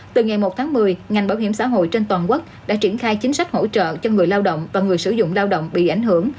từ ngày một tháng một mươi ngành bảo hiểm xã hội trên toàn quốc đã triển khai chính sách hỗ trợ cho người lao động và người sử dụng lao động bị ảnh hưởng